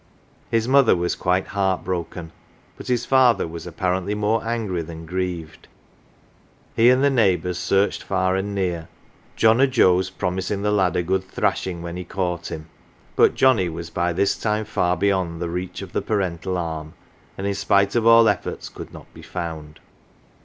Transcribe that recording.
His mother was quite heart broken, but his father was apparently more angry than grieved. He and the neighbours searched far and near, John o 1 Joe's promising the lad a good thrashing when he caught him ; but Johnnie was by this time far beyond the reach of the parental arm, and in spite of all efforts could not be found.